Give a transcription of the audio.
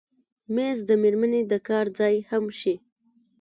مېز د مېرمنې د کار ځای هم شي.